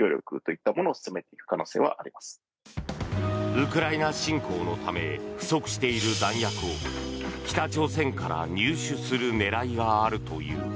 ウクライナ侵攻のため不足している弾薬を北朝鮮から入手する狙いがあるという。